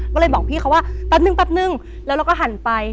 ก็เลยบอกพี่เขาว่าแป๊บนึงแป๊บนึงแล้วเราก็หันไป